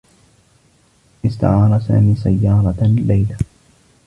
استعار سامي سيّارة ليلى.